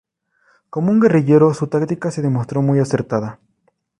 Como un guerrillero, su táctica se demostró muy acertada.